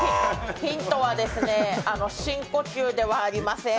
ヒントは深呼吸ではありません。